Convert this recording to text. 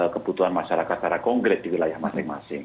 kebutuhan masyarakat secara konkret di wilayah masing masing